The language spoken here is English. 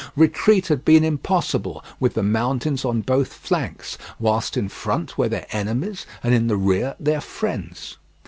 Retreat had been impossible, with the mountains on both flanks, whilst in front were their enemies, and in the rear their friends.